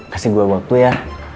kasih gue waktu ya